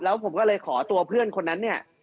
แล้วผมก็เลยขอตัวเพื่อนคนนั้นเนี่ย